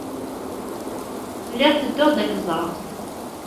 Lliɣ tedduɣ-d ad k-ẓreɣ.